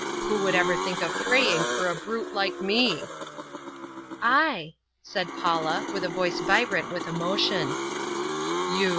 Who would ever think of praying for a brute like me?" "I," said Paula with a voice vibrant with emotion. "You?